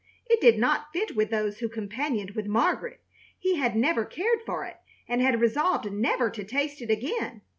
It did not fit with those who companied with Margaret. He had never cared for it, and had resolved never to taste it again.